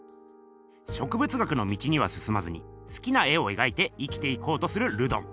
植物学の道にはすすまずに好きな絵を描いて生きていこうとするルドン。